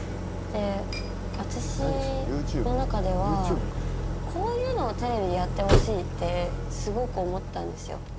私の中ではこういうのをテレビでやってほしいってすごく思ったんですよ。